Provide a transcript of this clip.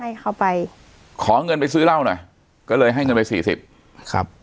ให้เขาไปขอเงินไปซื้อเหล้าหน่อยก็เลยให้เงินไปสี่สิบครับ